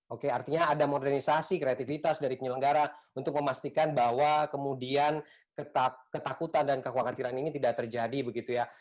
oke artinya ada modernisasi kreativitas dari penyelenggara untuk memastikan bahwa kemudian ketakutan dan kekhawatiran ini tidak terjadi begitu ya